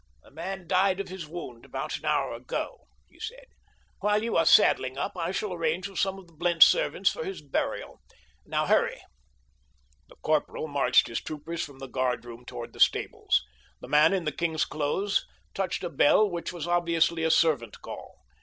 "The man died of his wound about an hour ago," he said. "While you are saddling up I shall arrange with some of the Blentz servants for his burial—now hurry!" The corporal marched his troopers from the guardroom toward the stables. The man in the king's clothes touched a bell which was obviously a servant call.